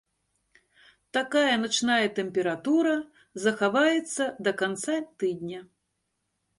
Такая начная тэмпература захаваецца да канца тыдня.